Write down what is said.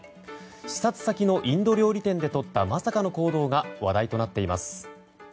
視察先のインド料理店でとったまさかの行動が話題となっています。